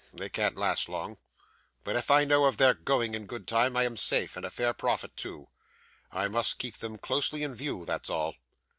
They can't last long; but if I know of their going in good time, I am safe, and a fair profit too. I must keep them closely in view; that's all.